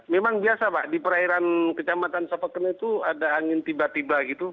memang biasa pak di perairan kecamatan sapeken itu ada angin tiba tiba gitu